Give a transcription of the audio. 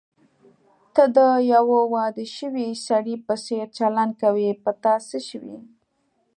ته د یوه واده شوي سړي په څېر چلند کوې، په تا څه شوي؟